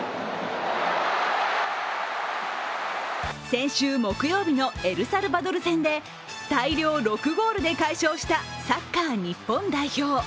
先週木曜日のエルサルバドル戦で大量６ゴールで快勝したサッカー日本代表。